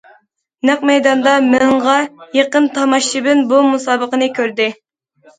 نەق مەيداندا مىڭغا يېقىن تاماشىبىن بۇ مۇسابىقىنى كۆردى.